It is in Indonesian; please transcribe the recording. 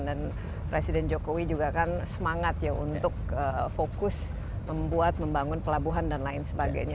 dan presiden jokowi juga kan semangat ya untuk fokus membuat membangun pelabuhan dan lain sebagainya